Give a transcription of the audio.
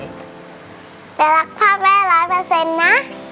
รักพ่อแม่ร้อยเปอร์เซ็นต์นะ